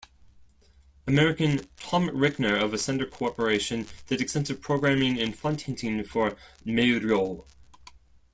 American Tom Rickner of Ascender Corporation did extensive programming and font hinting for Meiryo.